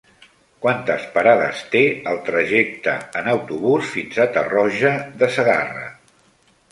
Quantes parades té el trajecte en autobús fins a Tarroja de Segarra?